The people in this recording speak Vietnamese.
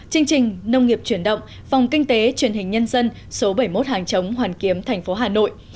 chương trình nông nghiệp truyền động phòng kinh tế truyền hình nhân dân số bảy mươi một hàng chống hoàn kiếm tp hà nội